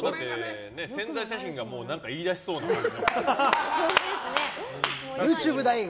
宣材写真がもう言い出しそうだもん。